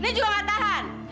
ini juga gak tahan